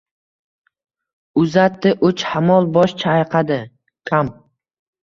Uzatdi, uch hammol bosh chayqadi: — Kam!